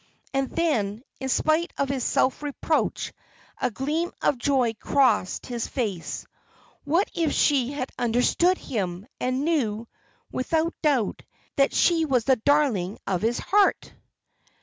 And then, in spite of his self reproach, a gleam of joy crossed his face. What if she had understood him, and knew, without doubt, that she was the darling of his heart!